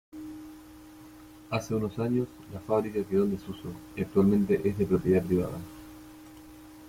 Hace unos años la fábrica quedó en desuso y actualmente es de propiedad privada.